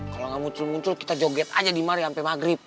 kalau nggak muncul muncul kita joget aja di mari sampai maghrib